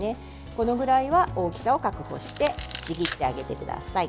このくらいは大きさを確保してちぎってあげてください。